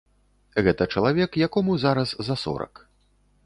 Гэта чалавек, якому зараз за сорак.